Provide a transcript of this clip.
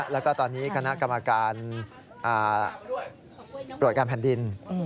แล้วก็ตอนนี้คณะกรรมการตรวจการแผ่นดิน